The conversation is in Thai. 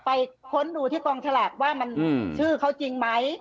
ค้นดูที่กองฉลากว่ามันชื่อเขาจริงไหม